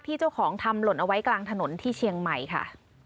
เจ้าของทำหล่นเอาไว้กลางถนนที่เชียงใหม่ค่ะ